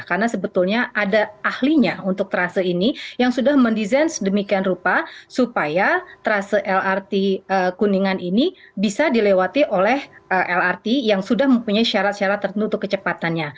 karena sebetulnya ada ahlinya untuk terase ini yang sudah mendesain sedemikian rupa supaya terase lrt kuningan ini bisa dilewati oleh lrt yang sudah mempunyai syarat syarat tertentu untuk kecepatannya